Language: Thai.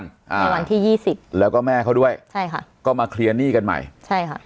ในวันที่ยี่สิบแล้วก็แม่เขาด้วยใช่ค่ะก็มาเคลียร์หนี้กันใหม่ใช่ค่ะ